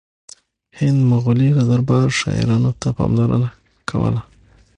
د هند مغلي دربار شاعرانو ته پاملرنه کوله